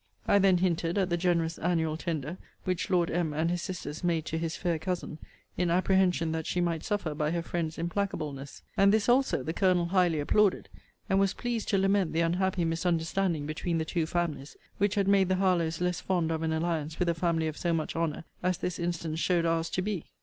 I then hinted at the generous annual tender which Lord M. and his sisters made to his fair cousin, in apprehension that she might suffer by her friends' implacableness. And this also the Colonel highly applauded, and was pleased to lament the unhappy misunderstanding between the two families, which had made the Harlowes less fond of an alliance with a family of so much honour as this instance showed ours to be.